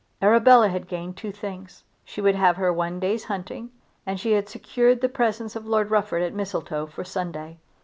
Arabella had gained two things. She would have her one day's hunting, and she had secured the presence of Lord Rufford at Mistletoe for Sunday.